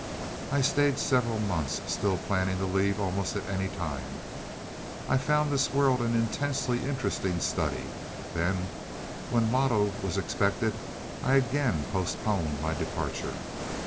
"I stayed several months, still planning to leave almost at any time. I found this world an intensely interesting study. Then, when Loto was expected, I again postponed my departure.